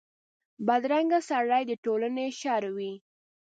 بدرنګه سړي د ټولنې شر وي